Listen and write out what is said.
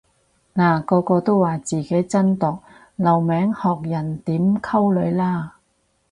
嗱個個都話自己真毒留名學人點溝女啦